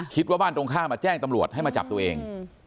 คิดว่าบ้านตรงข้ามมาแจ้งตำรวจให้มาจับตัวเอง